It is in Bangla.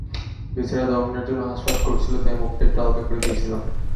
বেচারা দম নেয়ার জন্য হাঁসফাঁস করছিল, তাই মুখটা একটু আলগা করে দিয়েছিলাম।